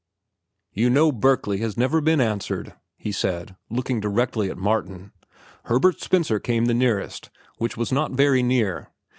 "You know Berkeley has never been answered," he said, looking directly at Martin. "Herbert Spencer came the nearest, which was not very near.